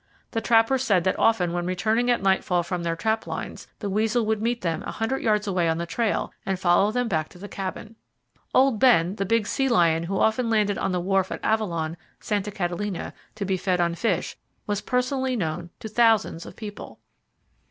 The trappers said that often when returning at nightfall from their trap lines, the weasel would meet them a hundred yards away on the trail, and follow them back to the cabin. "Old Ben," the big sea lion who often landed on the wharf at Avalon, Santa Catalina, to be fed on fish, was personally known to thousands of people.